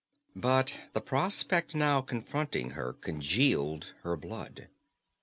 But the prospect now confronting her congealed her blood.